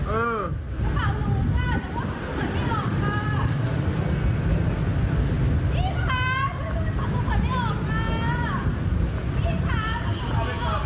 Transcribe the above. เออ